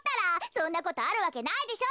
そんなことあるわけないでしょ。